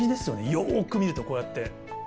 よく見るとこうやって。